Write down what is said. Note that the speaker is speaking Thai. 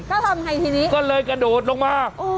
ก็ทำไงทีนี้ก็เลยกระโดดลงมา